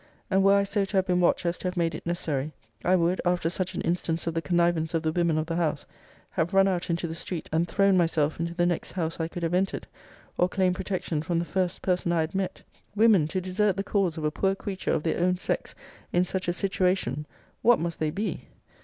And were I so to have been watched as to have made it necessary, I would, after such an instance of the connivance of the women of the house, have run out into the street, and thrown myself into the next house I could have entered, or claim protection from the first person I had met Women to desert the cause of a poor creature of their own sex, in such a situation, what must they be!